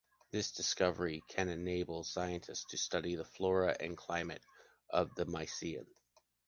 This discovery can enable scientists to study the flora and climate of the Miocene.